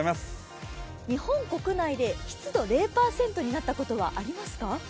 日本国内で湿度０％になったことはありますか？